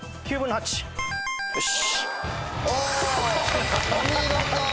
よし！